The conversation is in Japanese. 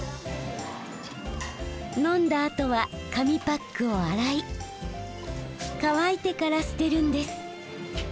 飲んだあとは紙パックを洗い乾いてから捨てるんです。